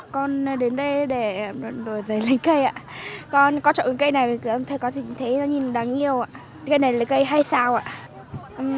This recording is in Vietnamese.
con đến đây để đổi giấy lấy cây ạ con có chọn cây này thì con thấy nó nhìn đáng yêu ạ cây này lấy cây hai sao ạ